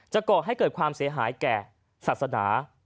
ก่อให้เกิดความเสียหายแก่ศาสนา